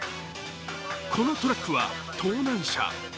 このトラックは盗難車。